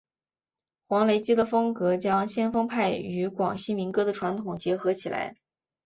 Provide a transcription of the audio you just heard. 黄雷基的风格将先锋派与广西民歌的传统结合起来。